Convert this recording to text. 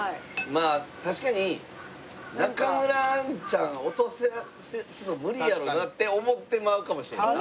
まあ確かに中村アンちゃん落とすの無理やろなって思ってまうかもしれない。